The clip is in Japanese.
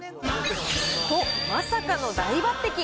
と、まさかの大抜擢。